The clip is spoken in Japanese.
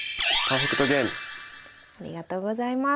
ありがとうございます。